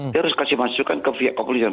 terus kasih masukan ke via koordinasi